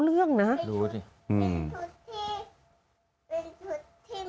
ชุดสีดำเป็นชุดยังไงครับ